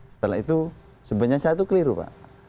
setelah itu sebenarnya saya itu keliru pak